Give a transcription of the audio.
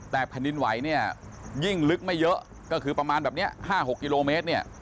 แต่แผ่นดินไหวเนี่ยยิ่งลึกไม่เยอะก็คือประมาณแบบนี้๕๖กิโลเมตรเนี่ย